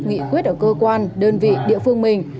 nghị quyết ở cơ quan đơn vị địa phương mình